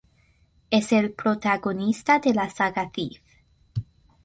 Es el protagonista de la saga Thief.